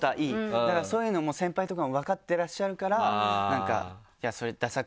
だからそういうのも先輩とかも分かってらっしゃるから。